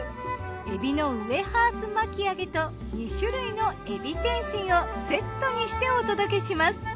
海老のウエハース巻き揚げと２種類の海老点心をセットにしてお届けします。